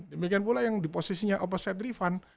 demikian pula yang di posisinya opposite rifan